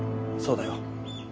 そうだよ。